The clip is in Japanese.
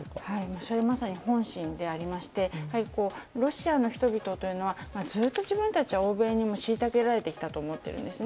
それはまさに本心でしてロシアの人々というのはずっと自分たちは欧米にも虐げられてきたと思っているんですね。